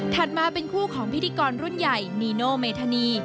มาเป็นคู่ของพิธีกรรุ่นใหญ่นีโนเมธานี